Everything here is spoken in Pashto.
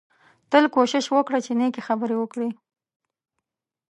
تل کوشش وکړه چې نېکې خبرې وکړې